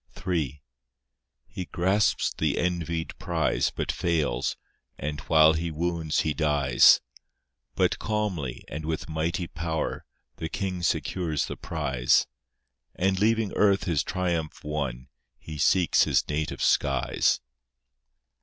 III He grasps the envied prize, but fails, And while he wounds, he dies; But calmly, and with mighty power, The King secures the prize; And, leaving earth, His triumph won, He seeks His native skies.